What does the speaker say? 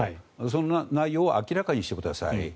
その内容を明らかにしてくださいと。